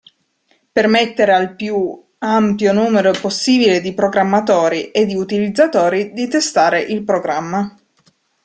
Permettere al più ampio numero possibile di programmatori e di utilizzatori di testare il programma.